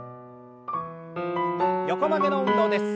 横曲げの運動です。